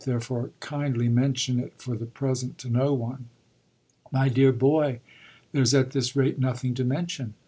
Therefore kindly mention it for the present to no one." "My dear boy, there's at this rate nothing to mention!